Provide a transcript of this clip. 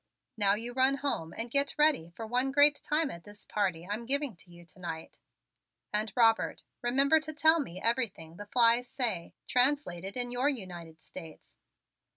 Now you run home and get ready for one great time at this party I'm giving to you to night. And, Robert, remember to tell me everything the flies say, translated in your United States."